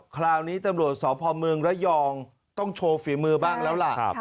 คราวนี้ตำรวจสพเมืองระยองต้องโชว์ฝีมือบ้างแล้วล่ะ